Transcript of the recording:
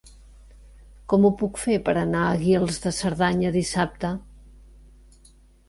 Com ho puc fer per anar a Guils de Cerdanya dissabte?